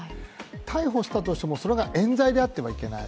逮捕したとしても、それがえん罪であってはいけない。